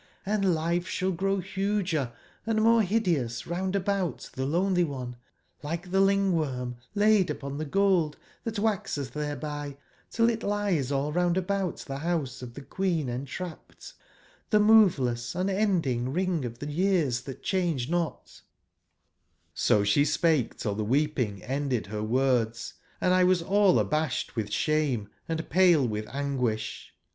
Hnd life shall grow huger and more hideous round about the lonely one, like the lincf worm laid upon the gold, that waxeth thereby, till it liesallroundaboutthehouseofthequeen entrapped, themovelessunendingringof the years that change not'j^Soshespake till the weepingendedherwords, and Iwas all abashed with shame and pale with an guish.